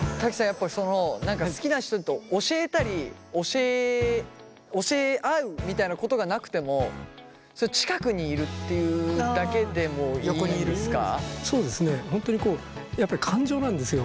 やっぱり好きな人と教えたり教え合うみたいなことがなくても近くにいるっていうだけでもいいんですか？